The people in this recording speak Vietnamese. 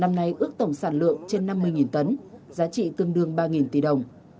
năm nay ước tổng sản lượng trên năm mươi tấn giá trị tương đương ba tỷ đồng